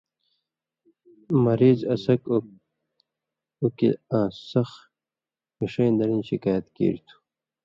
مریض اڅھکیۡ اوق/اوکیۡ آں سخ ݜݜَیں دڑیں شِکایت کیریۡ تُھو۔